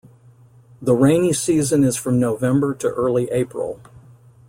The rainy season is from November to early April.